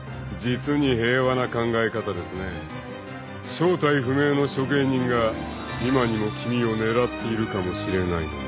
［正体不明の処刑人が今にも君を狙っているかもしれないのに］